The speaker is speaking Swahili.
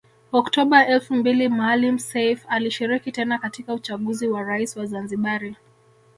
Oktoba elfu mbili Maalim Seif alishiriki tena katika uchaguzi wa urais wa Zanzibari